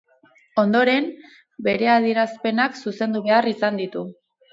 Ondoren, bere adierazpenak zuzendu behar izan ditu.